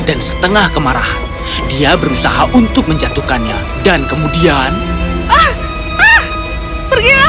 dan setengah kemarahan dia berusaha untuk menjatuhkannya dan kemudian ah ah pergilah